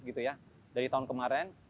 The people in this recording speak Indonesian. gitu ya dari tahun kemarin